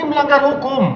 ini melanggar hukum